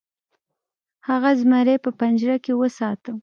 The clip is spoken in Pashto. هغه زمری په پنجره کې وساته.